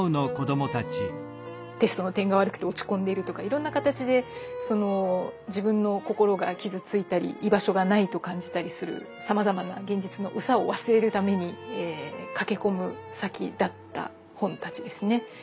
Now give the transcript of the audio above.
テストの点が悪くて落ち込んでるとかいろんな形で自分の心が傷ついたり居場所がないと感じたりするさまざまなだった本たちですね。